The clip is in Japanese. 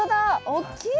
大きい！